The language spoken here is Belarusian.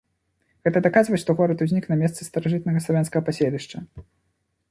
Гэта даказвае, што горад узнік на месцы старажытнага славянскага паселішча.